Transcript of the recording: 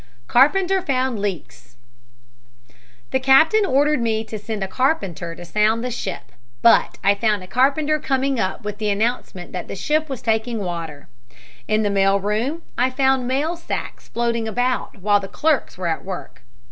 CARPENTER FOUND LEAKS "The captain ordered me to send a carpenter to sound the ship, but I found a carpenter coming up with the announcement that the ship was taking water. In the mail room I found mail sacks floating about while the clerks were at work.